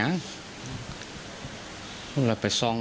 พุ่งเข้ามาแล้วกับแม่แค่สองคน